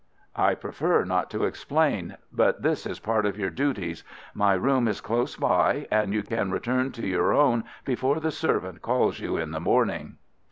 "I prefer not to explain. But this is part of your duties. My room is close by, and you can return to your own before the servant calls you in the morning."